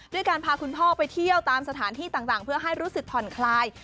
ด้วยการพาคุณพ่อไปเที่ยวตามสถานที่ต่างเพื่อให้รู้สึกผ่อนคลาย